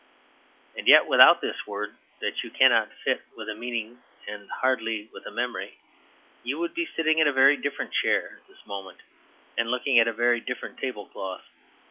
And yet without this word that you cannot fit with a meaning and hardly with a memory, you would be sitting in a very different chair at this moment and looking at a very different tablecloth.